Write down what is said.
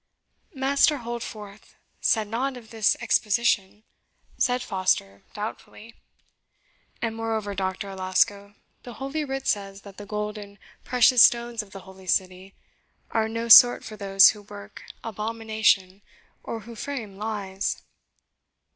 "Master Holdforth said nought of this exposition," said Foster doubtfully; "and moreover, Doctor Alasco, the Holy Writ says that the gold and precious stones of the Holy City are in no sort for those who work abomination, or who frame lies."